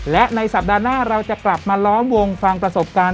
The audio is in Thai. และในสัปดาห์หน้าเราจะกลับมาล้อมวงฟังประสบการณ์